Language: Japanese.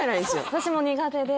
私も苦手で